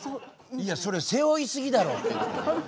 いやそれ背負い過ぎだろってなってね。